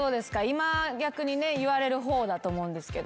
今逆に言われる方だと思うんですけど。